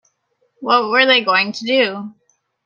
What were they going to do?